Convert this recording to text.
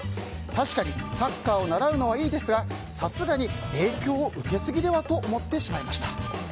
確かにサッカーを習うのはいいですがさすがに影響を受けすぎではと思ってしまいました。